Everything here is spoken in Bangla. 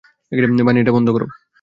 বানি, এটা বন্ধ করো।